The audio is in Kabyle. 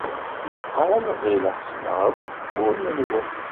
Naqal ɣileɣ ssneɣ akk ufuren-nwen.